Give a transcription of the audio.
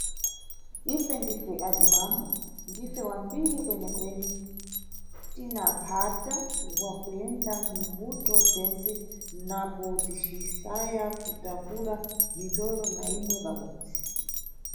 Ife ndife azimambo, ndife wa mbiri kwene-kwene tina mpata wa kuyenda mu mbuto zentse napo ticisaya kutakula mitolo na imwe pabobzi!